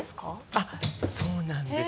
あっそうなんです。